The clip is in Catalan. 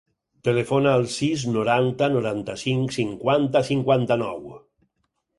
Telefona al sis, noranta, noranta-cinc, cinquanta, cinquanta-nou.